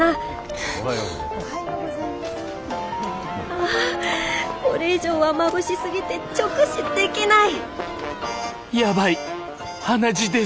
ああこれ以上はまぶしすぎて直視できない！